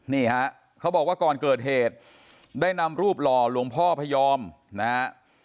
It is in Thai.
นี่ฮะเขาบอกว่าก่อนเกิดเหตุได้นำรูปหล่อหลวงพ่อพยอมนะฮะ